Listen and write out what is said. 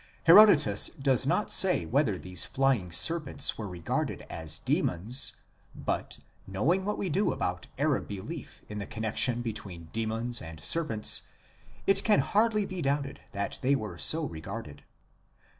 Herodotus does not say whether these flying serpents were regarded as demons, but, knowing what we do about Arab belief in the connexion between demons and serpents, it can scarcely be doubted that they were so regarded.